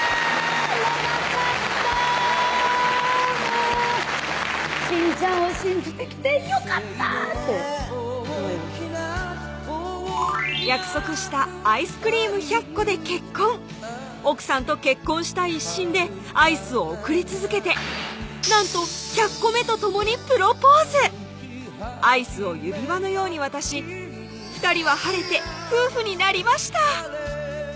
長かったもうちんちゃんを信じてきてよかった！って約束したアイスクリーム１００個で結婚奥さんと結婚したい一心でアイスを贈り続けてなんと１００個目と共にプロポーズアイスを指輪のように渡し２人は晴れて夫婦になりました